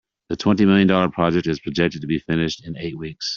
The twenty million dollar project is projected to be finished in eight weeks.